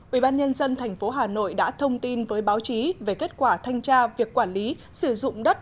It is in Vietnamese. ubnd tp hà nội đã thông tin với báo chí về kết quả thanh tra việc quản lý sử dụng đất